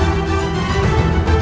hidup raden walang susah